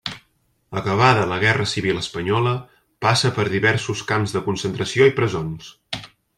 Acabada la Guerra Civil espanyola passa per diversos camps de concentració i presons.